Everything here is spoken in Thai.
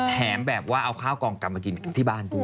แถมแบบว่าเอาข้าวกองกลับมากินที่บ้านด้วย